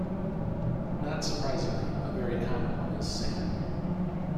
Not surprisingly, a very common one is sand.